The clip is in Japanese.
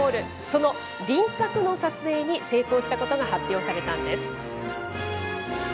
その輪郭の撮影に成功したことが発表されたんです。